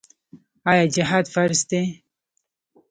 آیا جهاد فرض دی؟